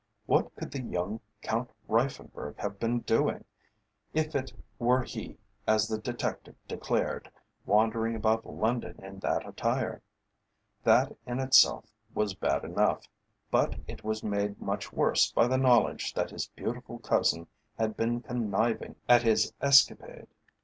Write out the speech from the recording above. What could the young Count Reiffenburg have been doing if it were he, as the detective declared wandering about London in that attire? That in itself was bad enough, but it was made much worse by the knowledge that his beautiful cousin had been conniving at his escapade.